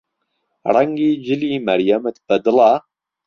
ڕەنگی جلی مەریەمت بەدڵە؟